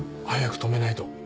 早く止めないと。